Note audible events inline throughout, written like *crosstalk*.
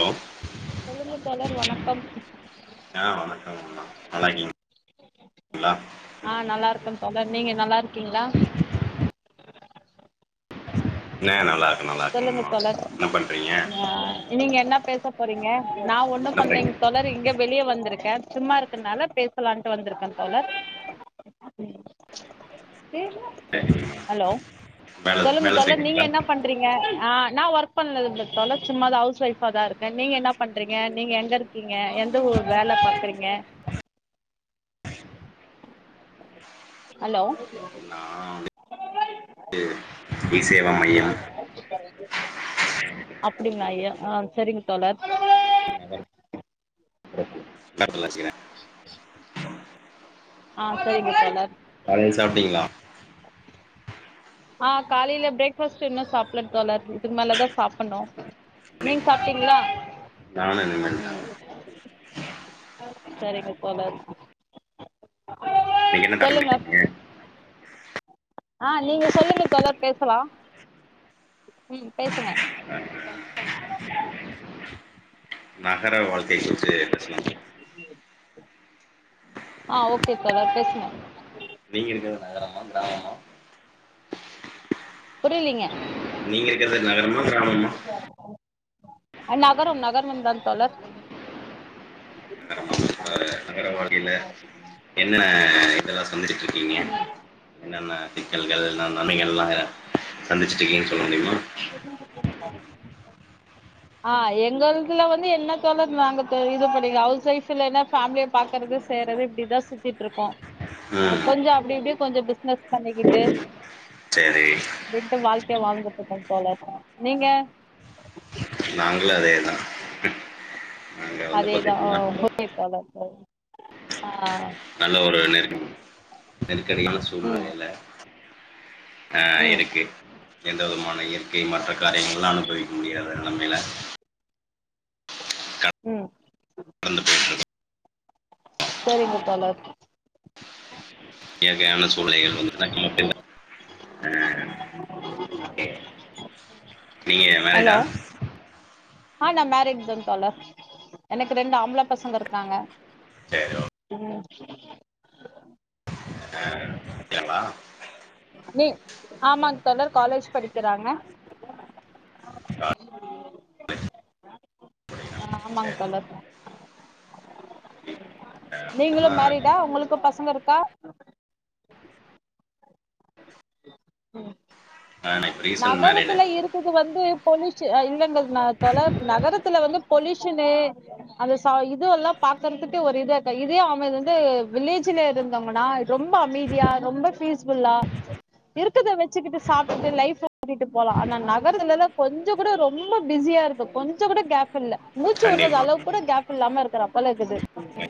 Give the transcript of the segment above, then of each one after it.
Hello சொல்லுங்க தோழர் வணக்கம் ஆ வணக்கம் நல்லா இருக்கீங்கங்களா ஆ நல்லா இருக்கே தோழர் நீங்க நல்லா இருக்கீங்களா நா நல்லா நல்லா சொல்லுங்க இருக்கேங்கம்மா தோழர் என்ன பண்றீங்க ஆ நீங்க என்ன பேச போறீங்க நா ஒண்ணு என்ன பண்றீங்க பண்ணலங்க தோழர் இங்க வெளியே வந்திருக்கே சும்மா இருக்குறதுனால பேசலான்ட்டு வந்திருக்கே தோழர் சரிங்கம்மா ஹலோ வேல சொல்லுங்க வேல தோழர் நீங்க செய்றீங்களா என்ன பண் ஆ நா ஒர்க் பண்ணறதுல்ல சும்மாதா ஹவுஸ் ஒய்ஃபாதான் இருக்கே நீங்க என்ன பண்றீங்க நீங்க எங்க இருக்கீங்க எந்த ஊர்ல வேலை பண்ணுறீங்க ஹலோ நா இ உ சேவா *inaudible* மையம் அப்டிங்களா ஐயா ஆ சரிங்க தோழர் *unintelligible* ஆ சரிங்க தோழர் காலையில் சாப்ட்டீங்களா ஆ காலையில ப்ரேக்ஃபாஸ்ட்டு இன்னு சாப்புல்லங் தோழர் இதுக்கு மேல தா சாப்பண்ணோ நீங் சாப்ட்டீங்களா நானு இனிமேல் தாங்க உம் சரிங்க தோழர் நீங்க என்ன சொல்லுங்க நர்ஸிங்காங்க ஆ நீங்க சொல்லுங்க தோழர் பேசலா ம் பேசுங்க நகர வாழ்க்கை பற்றி பேசலா ஆ ஓகே தோழர் பேசுங்க நீங்க இருக்குறது நகரமா கிராமமா புரியலீங்க நீங்க இருக்குறது நகரமா கிராமமா அ நகரம் நகரம் தான் தோழர் அ நகர வாழ்க்கைல என்ன இதெல்லா சந்திச்சிருக்கீங்க என்னன்ன சிக்கல்கள் என்னென்னானு எல்லா அ சந்திச்சிட்ருக்கீங்னு சொல்ல முடியுமா *unintelligible* ஆ எங்கள்துல வந்து என்ன த நாங்க இது பண்ணீ அவ்ஸ் வைஃப்ல என்ன ஃபேமிலிய பாக்குறது செய்றது இப்டிதா சுத்தியிட்ருப்போ அ ம் கொஞ்சொ அப்டி இப்டி கொஞ்சொ பி ந பண்ணிக்கிட்டு சரி அப்டின்ட்டு வாழ் வாழ்ந்துட்ருக்கோ தோழர் நீங்க நாங்களு அதே தா அதேதா ஓ ஓகே தோழர் ஆ நல்ல ஒரு நெருக் நெருக்கடியான ம் சூழ்நிலைல ஆ ம் இருக்கு எந்தவிதமான இயற்கை மாற்ற காரியங்கள்லா அனுபவிக்க முடியாத நெலமைல உம் நடந்து போயிட்ருக்கு சரிங்க தோழர் இயற்கையான சூழ்நிலைகள் *unintelligible* ஆ நீங்க மேரேஜா ஹலோ ஆ நா மேரீட்தாங் தோழர் எனக்கு ரெண்டு ஆம்பள பசங்க இருக்காங்க செரி ஓ உம் *unintelligible* களா நீ ஆமாங்க தோழர் காலேஜ் படிக்கிறாங்க கால் புடைக்கிறாங்க ஆமாங்க சரி தோழர் சரி ஆ, நீங்களும் அப்படின்னா மேரிடா உங்களுக்கு பசங்க பசங்க இருக்கா ஆ, நான் இப்போ ரீசன்ட் மேரிடு நகரத்துல இருக்குது வந்து பொல்யூஷ இல்லைங்க தோழர் நகரத்துல வந்து பொலயூஷனு அந்த இது எல்லா பாக்கறதுக்கு ஒரு இ இரு இதே அவங்க இ வந்து வில்லேஜ்ல இருந்தவங்கன்னா ரொம்ப அமைதியா ரொம்ப பீஸ் ஃபுல்லா இருக்கத வச்சுக்கிட்டு சாப்பிட்டு லைப் கட்டிட்டு போலா ஆனா நகரத்துல எல்லா கொஞ்ச கூட ரொம்ப பிஸியா இருக்கு கொஞ்ச கூட கேப் இல்ல மூச்சு விடுறது கண்டிப்பா அளவு கூட கேப் இல்லாம இருக்குற அப்பல இருக்குது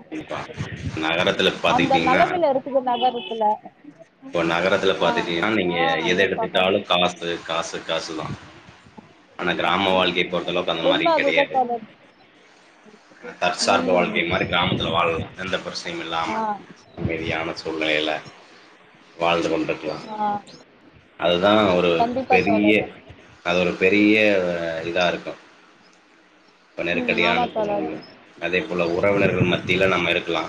கண்டிப்பா நகரத்துல அந்த பாத்துக்கிட்டீங்கன்னா நிலைமில இருக்குது நகரத்துல இப்போ நகரத்துல ஆ பாத்துட்டீங்கன்னா நீங்க ஆ எத அது ஒரு பாப்பா எடுத்துட்டாலும் காசு காசு காசுதான் ஆனா கிராம வாழ்க்கையை பொறுத்த அளவுக்கு அந்த மாரி உண்ம அதுதா கிடையாது தோழர் ஆ தற்சார்பு ம் வாழ்க்கை மாதிரி கிராமத்துல வாழ எந்த பிரச்சனையும் ஆ இல்லாம யாமச் உள்ளயில வாழ்ந்து கொண்ட்ருக்கலா ஆ அதுதான் ஒரு கண்டிப்பா பெரிய தோழர் அது ஒரு பெரிய பெரிய இதாயிருக்கும் *inaudible* யிப்ப ம் ஆமா நெருக்கடியான தோழர் சூழல்லங்க அதே போல உறவினர்கள் மத்தியில நாம்மருக்கலா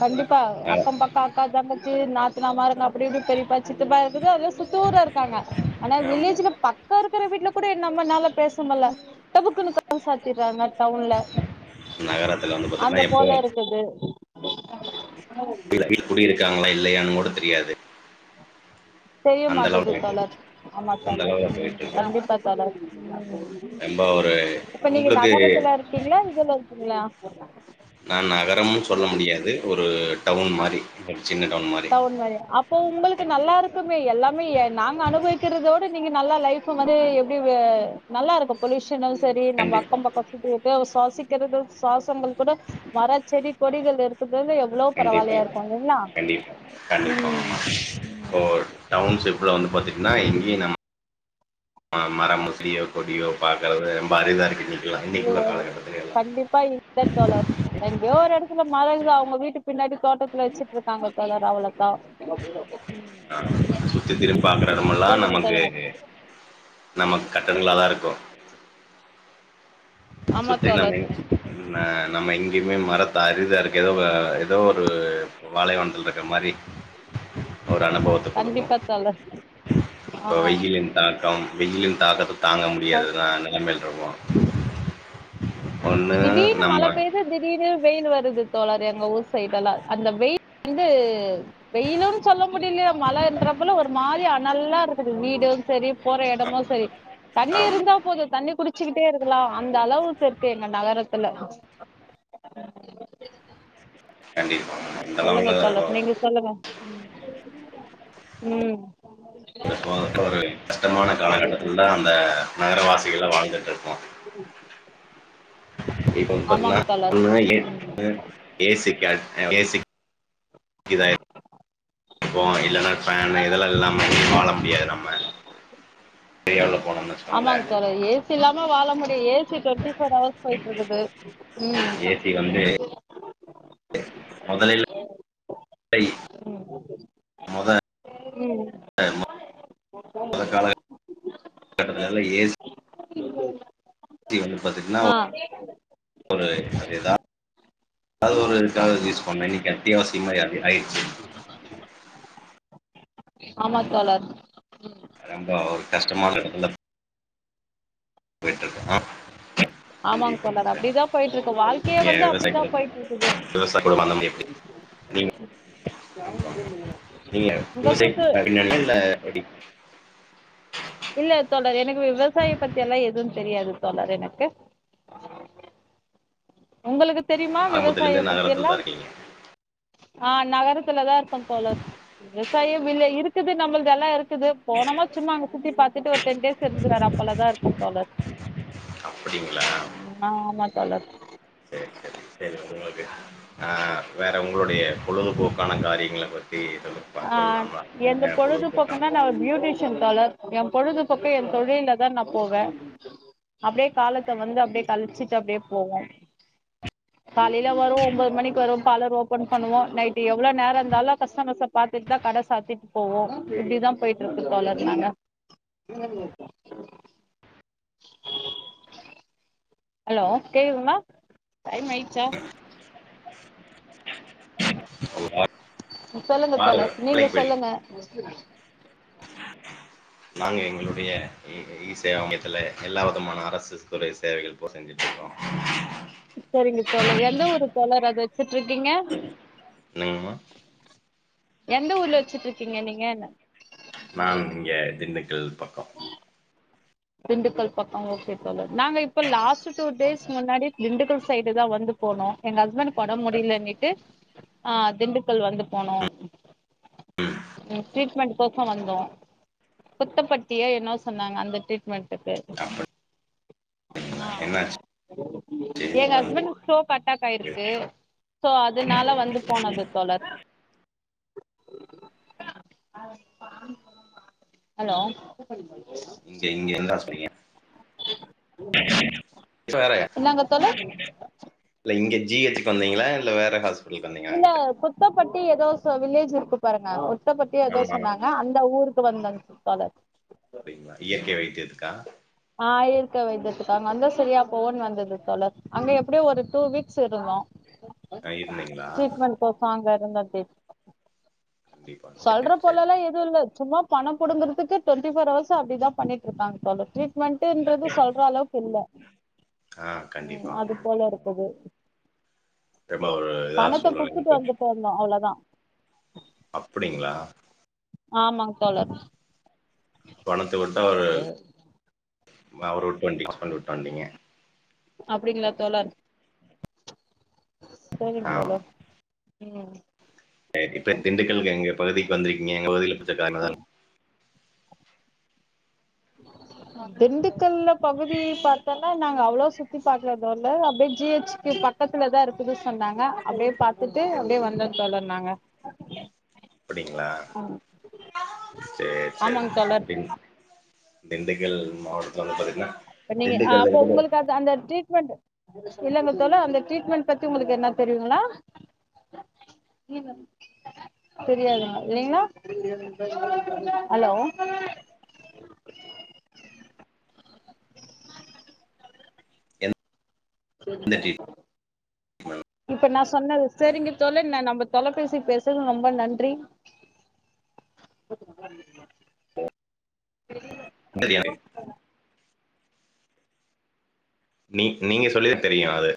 கண்டிப்பா அக்கம் பக்கா அக்கா தங்கச்சி நாத் நாத்தனமாருங்க அப்டிப் யிப்டி பெரியப்பா சித்தப்பா இதுவே எல்லாரு சுத்து ஊரருக்காங்க ஆனா ஆமா வில்லேஜ்ல பக்கருக்கு யிருக்ற வீட்ல கூட ஏ நம்மனால பேச முட்ல டோபுக்குன்னு கதவ சாத்திறாங்க டவுன்ல நகரத்துல வந்து அத போலருக்கு *unintelligible* யில்ல குடிருக்காங்களா யில்லயானு கூட தெரியாது தெரிய அந்த அளவு மாட்டிங்குது போயிட்ருக்கு தோழர் ஆமா அந்த தோழர் அளவுல ம் ம் போயிட்ருக்கோ கண்டிப்பா தோழர் ம் ம் ரொம்ப ஒரு இப்ப நீங்க உங்களுக்கு நகரத்துலருக்கீங்களா இதுலருக்கீங்களா *unintelligible* நான் நகரம்னு சொல்ல முடியாது ஒரு டவுன் மாரி சின்ன மாரி டவுன் மாரியா அப்போ உங்களுக்கு நல்லாருக்குமே எல்லா இல்லயே நாங்க அனுபவிக்கிறதோட நீங்க நல்லா லைஃப் வந்து எப்படி நல்லாருக்கும் பொல்யூஷன் யூஷன்னாலும் செரி நம்ம கண்டிப்பா அக்கம்பக்க *unintelligible* சுவாசிக்க க்கிறது சுவாசங்கள் அப்புற மரச் செடி கொடிகள் எடுத்து இது வந்து எவ்ளோ பரவாலயா இருக்கு இல்லைங்களா பா கண்டிப்பாங்கம்மா ம் ஓ டவுன்ஷிப்ல வந்து பாத்திங்கன்னா எங்கேயு நம் மரமோ செடியோ கொடியோ பாக்கறது ரொம்ப அரிதாருக்கு இன்னிக்கு ம் ஆமா கண்டிப்பா *unintelligible* தா தோழர் எங்கயோ ஒரு எடத்துல மர இருக்குதா எங்க வீட்டு பின்னாடி தோட்டத்தில வச்சிட்டுருக்காங்க தோழர் அவ்ள ஆஹ் சுத்தி திரும்பி பாக்குற எடமெல்லா சொல்லுங்க நமக்கு சொல்லுங்க நம கட்டடங்களாதாருக்கு ஆமா சுத்தி நம்ம தோழர் என்ன நம்ம எங்கேயுமே மரத்த அரிதாருக்கு ஏதோ ஏதோ ஒரு பாலைவனத்திலருக்கிற மாரி ஒரு அனுபவத்த கொடுக்கு கண்டிப்பா தோழர் அப்போ வெய்யிலின் தாக்கம் வெயிலின் தாக்கத்த தாங்க ஆ முடியாது அதா நெலைமையில இருக்கோ ஒண்ணு திடீர்னு மழ நம்ம பெய்து திடீர்னு வெயில் வருது தோழர் எங்க ஊர் சைடு எல்லா அந்த வெயில் வந்து வெயிலும் சொல்ல முடியலயா மழைன்ற போல ஒரு மாரியா நல்லா இருக்குது வீடும் சரி போற ஆ எடமு சரி தண்ணி ஆமா இருந்தா போது தண்ணி குடிச் வச்சுக்கிட்டே இருக்கலா அந்த அளவு சரி கு எங்க நகரத்துல கண்டிப்பா இந்த சொல்லுங்க அளவுல தோழர் நீங்க சொல்லுங்க உம் *unintelligible* ஒரு கஷ்டமான காலகட்டத்துல தா அந்த நகரவாசிகளா வாழ்ந்துட்ருக் கோ இப்ப வந்து ஆமாங்க தோழர் பாத்தீங்கன்னா *inaudible* ஏ சி கா ஏ சி கிது இப்போ இல்லன்னா ஃபேன் இதெல்லா இல்லாம வாழ முடியாது நம்ம பெரிய அளவு ஆமாங்க சார் ஏ சி இல்லாம வாழ முடியு A C twenty four hours போய்ட்டு இருக்குது ம் மொதல்லிலா பை உம் போ முடியாது *unintelligible* னால ஏசி *unintelligible* ஆஹ் ஒரு அது ஏதாவது ஒரு இதுக்காக யூஸ் பண்ணே கட்டியா ஆயி ஸ்லிமாயி அப்டி ஆயிடுச்சி ஆமா தோழர் ரொம்போ ஒரு கஷ்டமான எடத்துல போய்ட்டு இருக்கணு ஆமாங்க தோழர் அப்டிதா போயிட்டு இருக்கு வாழ்க்கையே நீங்கள் வந்து விவசாய அப்டிதா குடும்பம் போய்ட்டு இருக்குது விவசாய குடும்பம் அந்த மாதிரி எப்படி நீங்கள் நீங்கள் இங்க விவசாய குத்து பின்னணி இல்லை எப்படி இல்ல தோழர் எனக்கு விவசாயோ பத்தி எல்லா எது தெரியாது தோழர் எனக்கு உங்களுக்கு தெரியுமா விவசாயோ ஆரம்பத்துலேருந்தே பத்தி நகரத்தில் எல்லா தான் இருக்கீங்க ஆஹ் நகரத் துல தா இருக்கே தோழர் *unintelligible* விவசாயோ வில்லே இருக்குது நம்மள்து எல்லா இருக்குது போனோமா சும்மா அங்க சுத்தி பாத்துட்டு ஒரு டென் டேஸ் இருந்துனு வரதா போலதா இருக்கோ தோழர் அப்படிங்களா ஆமா ஆமா தோழர் ஆஹ் வேற உங்களுடைய பொழுதுபோக்கான காரியங்கள ப ஆ எந்த பொழுதுபோக்கான பொழுதுபோக்குன்னா நா ஒரு பியூட்டிஷியன் தோழர் ஏ பொழுதுபோக்கு என் தொழில்ல தா நா போவே அப்டியே காலத்த வந்து அப்டியே கழிச்சிட்டு அப்டியே போவோ காலைல வருவோ ஒம்போது மணிக்கு வருவோ பார்லர் ஓபன் பண்ணுவோ நைட்டு் எவ்ளோ நேரோ இருந்தாலு கஸ்டமர்ஸ்ஸ பாத்துட்டு தா கட சாத்தீட்டு போவோ இப்டிதா போயிட்டு இருக்கு தோழர் நாங்க ஹலோ கேக்குதுங்களா டைம் ஆயிடுச்சா ஒரு ஆள் சொல்லுங்க தோழர் நீங்க போயிருக்கீங்க சொல்லுங்க நாங்க எங்களுக் லுடைய இ சேவை மையத்துல எல்லா விதமான பஸ்சஸ் கூறிய சேவைகள் பூரா செஞ்சிட்டு இருக்கோ சேரிங்க தோழர் எந்த ஊரு தோழர் அத வெச்சிட்டு இருக்கீங்க என்னங்கம்மா எந்த ஊர்ல வெச்சீட்டு இருக்கீங்க நீங் ஏன் என்ன நான் இங்க திண்டுக் கல் பக்கோ திண்டுக்கல் பக்கோ ஒகே தோழர் நாங்க இப்ப லாஸ்ட் டூ டேஸ் முன்னாடி திண்டுக்கல் சைடு தா வந்து போனோ எங்க ஹஸ்பண்ட்க்கு ஒடம்பு முடியலன்னிட்டு ஆ திண்டுக்கல் வந்து போனோ ம் ட்ரீட்மெண்ட் கோசோ வந்தோ குத்தப்பட்டியா என்னவ் சொன்னாங்க ட்மென்ட்க்கு அப்படிங்களா ஆஹ் என்னாச்சு எங்க உடம்பு? ஹஸ்பண்ட்டுக்கு ஸ்ட்ரோக் அட்டாக் ஆயிருக்கு சோ அதனால வந்து போனது தோழர் ஹலோ இங்க இங் க என்னா சொன்னீங்க வேறயா என்னங்க தோழர் இல்ல இங்க ஜி ஹெச் க்கு வந்தீங்களா இல்ல வேற ஹாஸ் உள்ள குத்தப்பட்டி எதோ சோ வில்லேஜ் இருக்கு பாருங்க குத்தபட்டி எதோ ஆமா சொன்னாங்க அந்த ஊருக் இப்ப வந்தாங்க சுப்பாலக் அப்டிங்ளா இயற்கை வைத்தியதுக்கா ஆஹ் இயற்க வைத்தியதுக்கு அங்க வந்தா செரியா போகுன் வந்தது தோழர் அங்க எப்டியு ஒரு டூ வீக்ஸ் இருந்தோ ஆ, இருந்தீங்களா ட்ரீட்மெண்ட் போட்டாங்க இருந்தா தே கண்டிப்பா சரி, சொல்ற சரி. போலலா எதுவு இல்ல சும்மா பணம் புடுங்குறதுக்கு டுவெண்டி ஃபோர் ஹவர்ஸு அப்டிதா பண்ணிட்ருக்காங்க போல ட்ரீட் மெண்ட்டுன்றது சொல்ற அளவுக்கு இல்ல ஆ உம் கண்டிப்பாங்க. அது போல இருக்குது ரொம்ப ஒரு இதா பணத்த சூழ்நிலையில குட்த்துட்டு வந்துட்டு இருந்தோ அவ்ளோ தா அப்டிங்ளா ஆமாங் தோழர் பணத்த விட்டா ஒரு அவர விட்டு வண்ட்டி ஹஸ்பண்ட விட்டு வண்டீங்க அப்டிங்ளா தோழர் சேரிங் தோழர் உம் அஹ் இப்ப திண்டுக்கலுக்கு எங்க பகுதிக்கு வந்திருக்கீங்க எங்க பகுதில புடிச்ச கார்லதா அஹ் திண்டுக்கல்ல பகுதி பாத்தோனா நாங்க அவ்ளோ சுத்தி பாக்றதா இல்ல அப்டே ஜி ஹெச் க்கு ம். பக்கத்துல தா இருக் க்குது சொன்னாங்க அப்டியே பாத்துட்டு அப்டியே வந்தோ தோழர் நாங்க சாப்ட்டிங்க அப்டிங்ளா சேரி சேரி ஆமாங் தோழர் பின் திண்டுக்கல் மாவட்டத்துல வந்து பாத்தீங்னா அப்ப நீங்க ஆஹ் அப்ப உங்களுக்கு அது அந்த ட்ரீட் மெண்டு இல்லங்க தோழர் அந்த ட்ரீட்மெண்ட் பத்தி உங்களுக்கு எதுனா தெரியுங்களா தெரியாது இல்லைங்ளா‌ ஹலோ செரிங் எந்த டி- *inaudible* இப்ப நா சொன்னது செரிங்க தோழன் ந நம்ப தொலபேசி பேசறது ரொம்ப நன்றி தெரியாது நீ நீங்க சொல்லிதா தெரியு அது